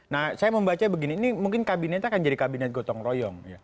nah saya membaca begini ini mungkin kabinetnya akan jadi kabinet gotong royong